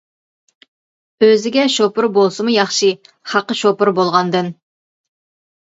ئۆزىگە شوپۇر بولسىمۇ ياخشى خەققە شوپۇر بولغاندىن.